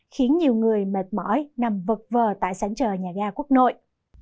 khiến nhiều người mệt mỏi nằm vật vờ tại sáng trời nhà ga quốc nội